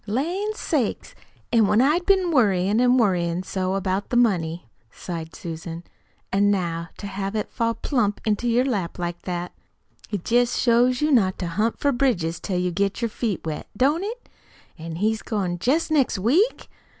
"Lan' sakes! An' when I'd been worryin' an' worryin' so about the money," sighed Susan; "an' now to have it fall plump into your lap like that. It jest shows you not to hunt for bridges till you get your feet wet, don't it? An' he's goin' jest next week?"